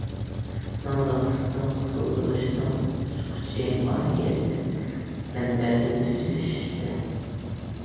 نامراتلىقتىن قۇتۇلدۇرۇشنىڭ ئاچقۇچى ماھىيەتتىن، مەنبەدىن تۈزەشتە.